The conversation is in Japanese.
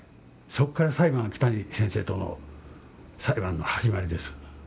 そっから裁判が木谷先生との裁判の始まりです。